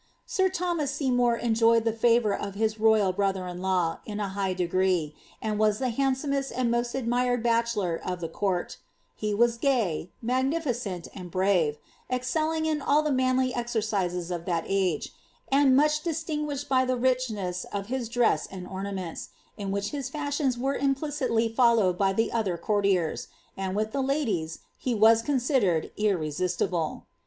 Sir Th(»ma5 Sr mour eiijcned the favour of his royal brother in law in a high degfi and was the handsomest and most admired bachelor of the courL 1 was gay, magnificent, and brave, excelling in all the manly exercifl of that age, and much distinguished by the richness of his dre^ u ornaments, in which his fashions were implicitly followed by the oth courtiers ; and with the ladies he was considered irresistible.